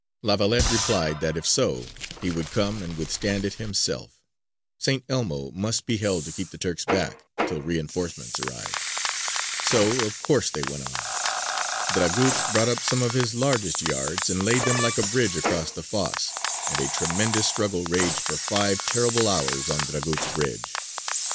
La Valette replied that, if so, he would come and withstand it himself: St. Elmo must be held to keep the Turks back till reinforcements arrived. So of course they went on. Dragut brought up some of his largest yards and laid them like a bridge across the fosse, and a tremendous struggle raged for five terrible hours on Dragut's bridge.